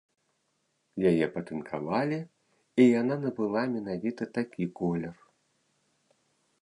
Яе патынкавалі, і яна набыла менавіта такі колер.